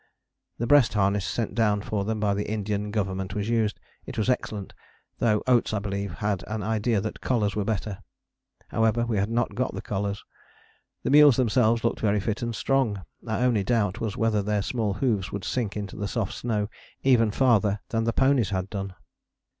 The breast harness sent down for them by the Indian Government was used: it was excellent; though Oates, I believe, had an idea that collars were better. However, we had not got the collars. The mules themselves looked very fit and strong: our only doubt was whether their small hoofs would sink into soft snow even farther than the ponies had done.